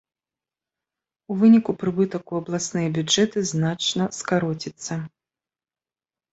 У выніку прыбытак у абласныя бюджэты значна скароціцца.